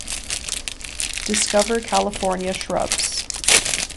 "Discover California Shrubs".